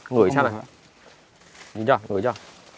ngửi xem này ngửi cho